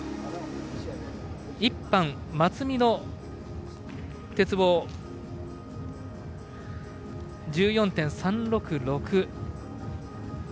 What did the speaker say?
１班、松見の鉄棒の得点。１４．３６６。